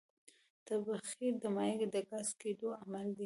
تبخیر د مایع د ګاز کېدو عمل دی.